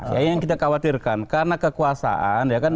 ya yang kita khawatirkan karena kekuasaan ya kan